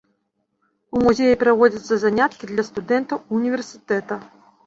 У музеі праводзяцца заняткі для студэнтаў універсітэта.